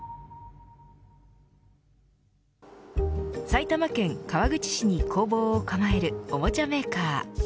埼玉県川口市に工房を構えるおもちゃメーカー。